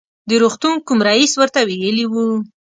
د روغتون کوم رئیس ورته ویلي و.